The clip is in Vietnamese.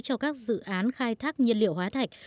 cho các dự án khai thác nhiên liệu hóa thạch